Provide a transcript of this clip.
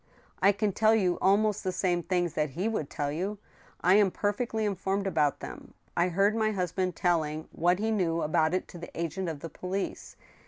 " I can tell you almost the same things that he would tell you. I am perfectly informed about them. I heard my husband telling what he knew about it to the agent of the police.